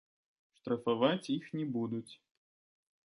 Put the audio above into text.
Штрафаваць іх не будуць.